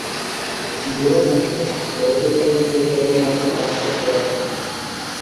গোরা জানিত, ভয় করিবার বিষয় কেবলমাত্র বাস্তব পদার্থ।